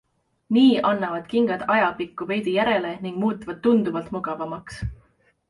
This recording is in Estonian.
Nii annavad kingad ajapikku veidi järele ning muutuvad tunduvalt mugavamaks.